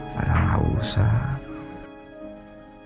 padahal gak usah